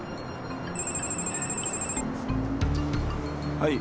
はい。